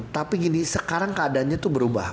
tapi gini sekarang keadaannya itu berubah